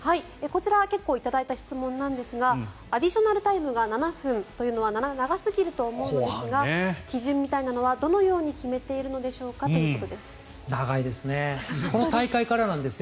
こちら結構頂いた質問なんですがアディショナルタイムが７分というのは長すぎると思うのですが基準みたいなのはどのように決めているのでしょうかということです。